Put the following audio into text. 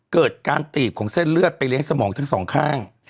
เกิดการตีบของเส้นเลือดไปเลี้ยงสมองทั้งสองข้าง